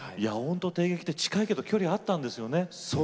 帝劇は近いけれども距離があったんですよね。